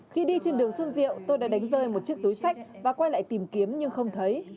khi đi trên đường xuân diệu tôi đã đánh rơi một chiếc túi sách và quay lại tìm kiếm nhưng không thấy